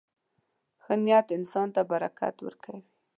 • ښه نیت انسان ته برکت ورکوي.